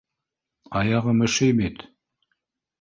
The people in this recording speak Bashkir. Аяғым өшөй бит!